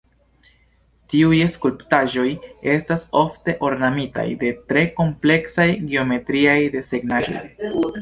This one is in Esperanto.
Tiuj skulptaĵoj estas ofte ornamitaj de tre kompleksaj geometriaj desegnaĵoj.